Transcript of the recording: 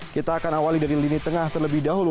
kita akan awali dari lini tengah terlebih dahulu